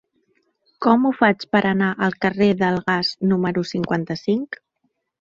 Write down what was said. Com ho faig per anar al carrer del Gas número cinquanta-cinc?